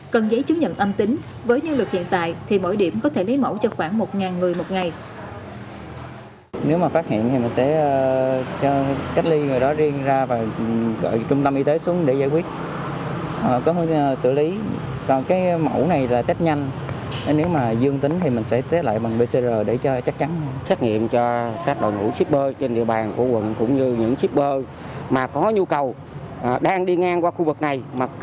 cần giấy chứng nhận âm tính với nhân lực hiện tại thì mỗi điểm có thể lấy mẫu cho khoảng một người một ngày